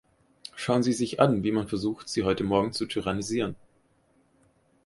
Schauen Sie sich an, wie man versucht, Sie heute Morgen zu tyrannisieren.